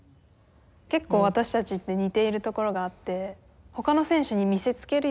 結構私たちって似ているところがあって。